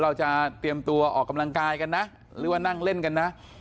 เราจะเตรียมตัวออกกำลังกายกันนะหรือว่านั่งเล่นกันนะ